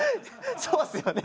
そうっすよね。